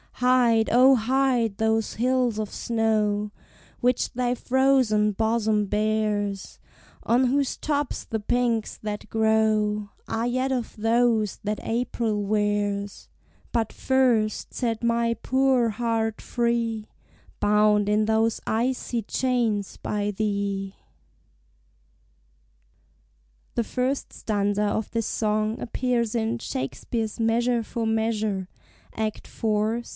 Hide, O, hide those hills of snow Which thy frozen bosom bears, On whose tops the pinks that grow Are yet of those that April wears! But first set my poor heart free, Bound in those icy chains by thee. SHAKESPEARE and JOHN FLETCHER. The first stanza of this song appears in Shakespeare's "Measure for Measure," Activ. Sc.